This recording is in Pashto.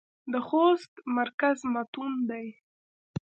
د خوست مرکز متون دى.